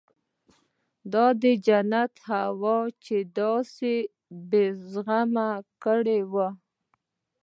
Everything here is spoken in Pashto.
دا د جنت هوا چې داسې بې غمه کړى وم.